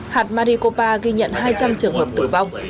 hạt maricopa ghi nhận hai trăm linh trường hợp tử vong